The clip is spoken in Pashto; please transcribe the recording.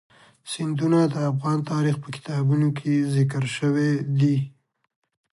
سیندونه د افغان تاریخ په کتابونو کې ذکر شوی دي.